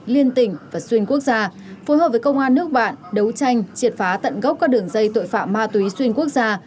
liên tỉnh và xuyên quốc gia phối hợp với công an nước bạn đấu tranh triệt phá tận gốc các đường dây tội phạm ma túy xuyên quốc gia